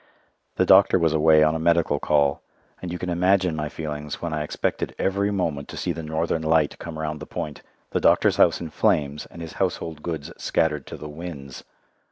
The doctor was away on a medical call, and you can imagine my feelings when I expected every moment to see the Northern Light come round the point, the doctor's house in flames and his household goods scattered to the winds!